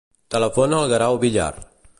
Telefona al Guerau Villar.